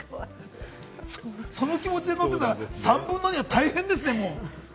その気持ちで乗ってたら３分の２は大変ですね、もう。